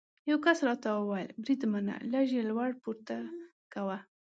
یو کس راته وویل: بریدمنه، لږ یې لوړ پورته کوه.